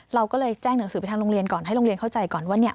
เราก็เลยแจ้งหนังสือไปทางโรงเรียนก่อนให้โรงเรียนเข้าใจก่อนว่าเนี่ย